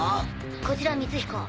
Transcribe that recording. こちら光彦。